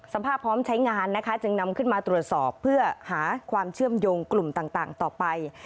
พร้อมใช้งานนะคะจึงนำขึ้นมาตรวจสอบเพื่อหาความเชื่อมโยงกลุ่มต่างต่อไป